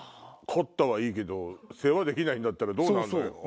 飼ったはいいけど世話できないならどうなるの？